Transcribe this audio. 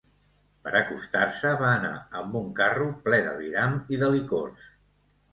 Per acostar-se va anar amb un carro ple d'aviram i de licors.